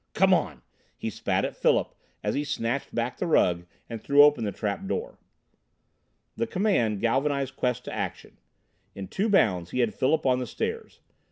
"Come on!" he spat at Philip as he snatched back the rug and threw open the trap door. The command galvanized Quest to action. In two bounds he had Philip on the stairs.